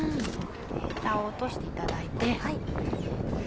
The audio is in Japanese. ヘタを落としていただいて。